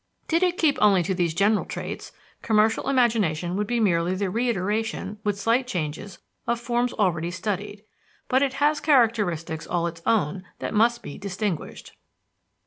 Did it keep only to these general traits, commercial imagination would be merely the reiteration, with slight changes, of forms already studied; but it has characteristics all its own that must be distinguished.